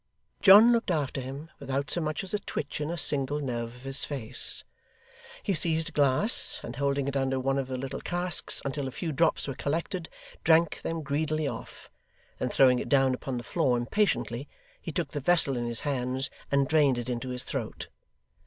John looked after him without so much as a twitch in a single nerve of his face. He seized a glass, and holding it under one of the little casks until a few drops were collected, drank them greedily off; then throwing it down upon the floor impatiently, he took the vessel in his hands and drained it into his throat.